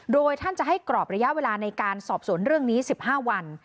โดยท่านจะให้กรอบระยะเวลาในการสอบสวนเรื่องนี้๑๕วัน